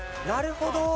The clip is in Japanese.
なるほど！